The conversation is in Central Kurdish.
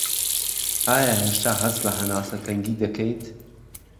ئایا هێشتا هەست بە هەناسه تەنگی دەکەیت